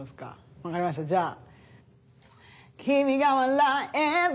分かりましたじゃあ。